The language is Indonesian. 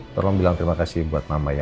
tolong bilang terima kasih buat mama ya